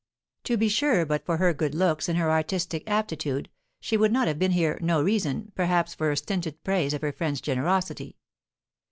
To be sure, but for her good looks and her artistic aptitude, she would not have been here no reason, perhaps, for stinted praise of her friend's generosity.